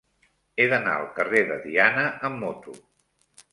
He d'anar al carrer de Diana amb moto.